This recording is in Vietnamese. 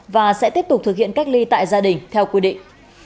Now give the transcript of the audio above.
và sẽ tiếp tục thực hiện cách ly tại gia đình theo quy định